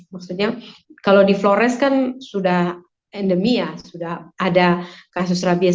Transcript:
maksudnya kalau di flores kan sudah endemi ya sudah ada kasus rabies